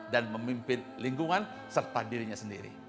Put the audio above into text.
dan memimpin lingkungan serta dirinya sendiri